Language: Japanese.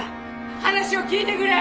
話を聞いてくれ！